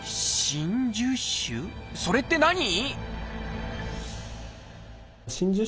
それって何？